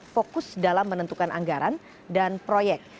fokus dalam menentukan anggaran dan proyek